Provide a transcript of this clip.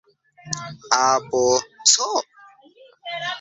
A… B… Ĉ?